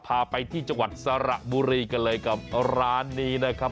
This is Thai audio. พาไปที่จังหวัดสระบุรีกันเลยกับร้านนี้นะครับ